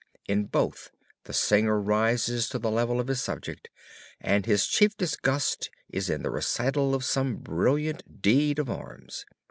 In both the singer rises to the level of his subject, but his chiefest gust is in the recital of some brilliant deed of arms."